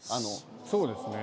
そうですね。